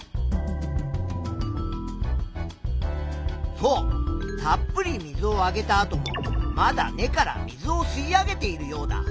そうたっぷり水をあげたあともまだ根から水を吸い上げているヨウダ。